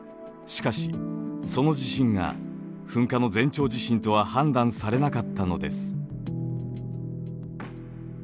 しかしその地震が噴火の前兆地震とは判断されなかったのです。